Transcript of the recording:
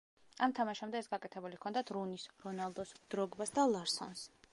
ამ თამაშამდე ეს გაკეთებული ჰქონდათ რუნის, რონალდოს, დროგბას და ლარსონს.